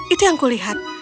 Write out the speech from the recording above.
itu yang kulihat